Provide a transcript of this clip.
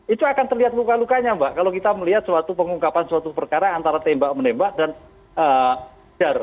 itu akan terlihat luka lukanya mbak kalau kita melihat suatu pengungkapan suatu perkara antara tembak menembak dan dar